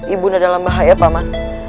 ibu nda dalam bahaya pak man